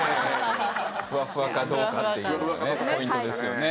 フワフワかどうかっていうのねポイントですよね。